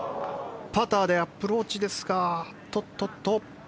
パターでアプローチですか。